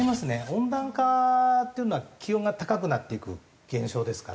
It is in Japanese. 温暖化っていうのは気温が高くなっていく現象ですから。